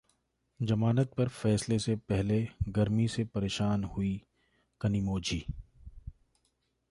जमानत पर फैसले से पहले गर्मी से परेशान हुई कनिमोझी